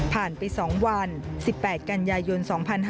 ผ่านไปสองวัน๑๘กันยายน๒๕๖๒